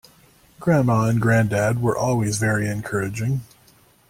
Grandma and grandad were always very encouraging.